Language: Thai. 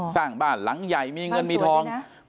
สร้างบ้านหลังใหญ่มีเงินมีทองบ้านสวยด้วยนะ